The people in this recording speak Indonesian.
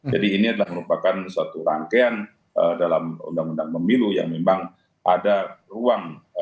jadi ini adalah merupakan suatu rangkaian dalam undang undang pemilu yang memang ada